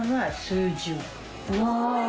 うわ。